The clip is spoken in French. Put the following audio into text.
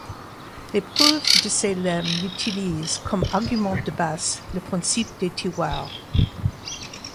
Les preuves de ces lemmes utilisent, comme argument de base, le principe des tiroirs.